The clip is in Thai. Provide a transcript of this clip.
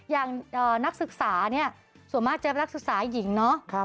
อย่างนักศึกษานี่ส่วนมากเจอนักศึกษาหญิงนะ